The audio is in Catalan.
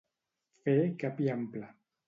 Fer cap i ample.